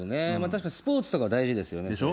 確かにスポーツとか大事ですよね。